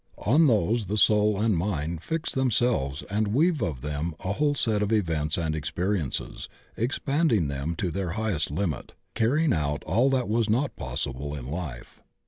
On .those the soul and mind fix themselves and weave of them a whole set of events and experiences, expanding them to their highest limit, i 114 THE OCEAN OF THEOSOPHY carrying out all that was not possible in life.